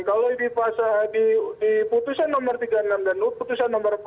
kalau di putusan no tiga puluh enam dan no empat puluh